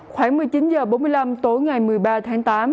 khoảng một mươi chín h bốn mươi năm tối ngày một mươi ba tháng tám